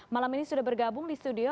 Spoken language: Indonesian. malam ini sudah bergabung di studio